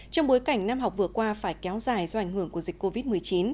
trong bối cảnh năm học vừa qua phải kéo dài do ảnh hưởng của dịch covid một mươi chín